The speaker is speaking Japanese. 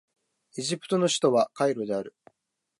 エジプトの首都はカイロである